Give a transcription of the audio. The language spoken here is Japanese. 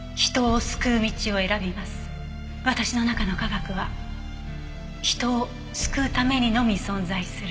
私の中の科学は人を救うためにのみ存在する。